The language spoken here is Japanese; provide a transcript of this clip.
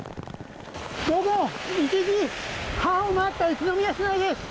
午後１時半を回った宇都宮市内です。